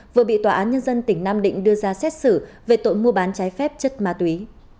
vừa bị tòa án nhân dân tỉnh nam định đưa ra xét xử về tội mua bán trái phép chất ma túy